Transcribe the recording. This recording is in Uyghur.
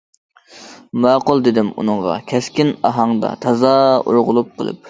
ماقۇل دېدىم ئۇنىڭغا كەسكىن ئاھاڭدا تازا ئۇرغۇلۇق قىلىپ.